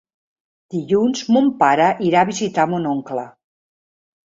Dilluns mon pare irà a visitar mon oncle.